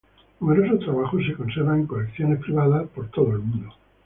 Numerosos trabajos se conservan en colecciones privadas en todo el mundo.